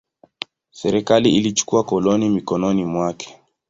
Serikali ilichukua koloni mikononi mwake.